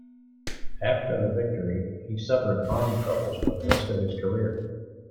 After the victory, he suffered arm troubles for the rest of his career.